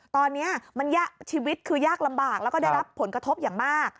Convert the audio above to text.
ตอนนี้มันยากชีวิตคือยากลำบากแล้วก็ได้รับผลกระทบอย่างมาก